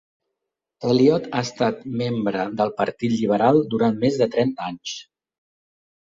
Elliott ha estat membre del partit lliberal durant més de trenta anys.